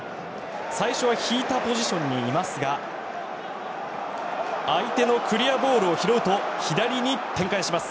最初は引いたポジションにいますが相手のクリアボールを拾うと左に展開します。